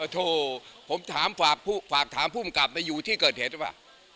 โถผมฝากถามผู้มันกลับไปอยู่ที่เกิดเหตุป่ะ